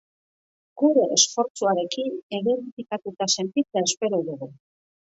Gure esfortsuarekin identifikatuta sentitzea espero dugu.